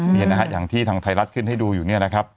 นี่นะฮะอย่างที่ทางไทยรัฐขึ้นให้ดูอยู่เนี่ยนะครับ